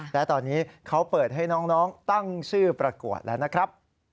และตอนนี้เขาเปิดให้น้องตั้งชื่อประกวดแล้วนะครับ